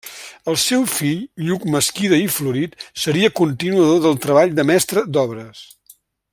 El seu fill Lluc Mesquida i Florit seria continuador del treball de mestre d'obres.